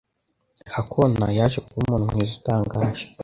Hanako yaje kuba umuntu mwiza utangaje.